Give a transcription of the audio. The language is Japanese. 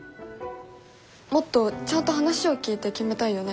もっとちゃんと話を聞いて決めたいよね。